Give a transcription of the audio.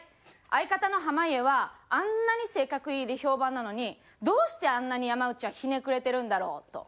「相方の濱家はあんなに“性格いい”で評判なのにどうしてあんなに山内はひねくれてるんだろう？」と。